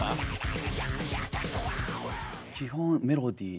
基本メロディー。